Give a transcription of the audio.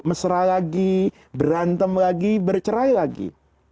mesra lagi berantem lagi bercerai lagi